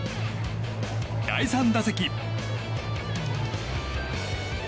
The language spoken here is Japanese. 第３打席。